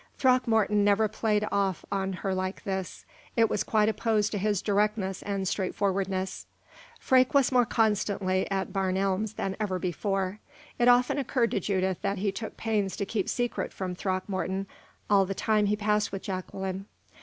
Throckmorton never played off on her like this it was quite opposed to his directness and straightforwardness. Freke was more constantly at Barn Elms than ever before. It often occurred to Judith that he took pains to keep secret from Throckmorton all the time he passed with Jacqueline.